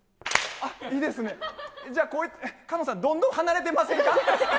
じゃあ、菅野さん、どんどん離れてませんか？